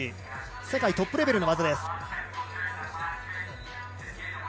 世界トップレベルの技です。